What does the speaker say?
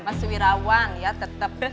mas wirawan ya tetep